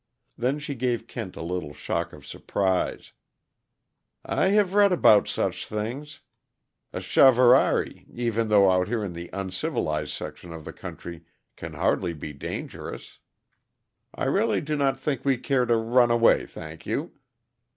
Then she gave Kent a little shock of surprise. "I have read about such things. A charivari, even out here in this uncivilized section of the country, can hardly be dangerous. I really do not think we care to run away, thank you."